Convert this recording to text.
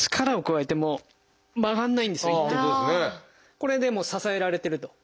これでもう支えられてると。